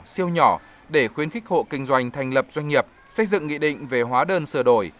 siêu nhỏ để khuyến khích hộ kinh doanh thành lập doanh nghiệp xây dựng nghị định về hóa đơn sửa đổi